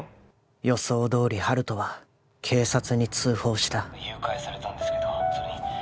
予想どおり温人は警察に通報した誘拐されたんですけど